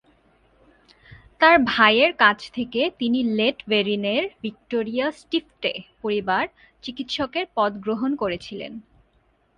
তার ভাইয়ের কাছ থেকে তিনি লেট-ভেরিনের ভিক্টোরিয়া-স্টিফটে পরিবার চিকিৎসকের পদ গ্রহণ করেছিলেন।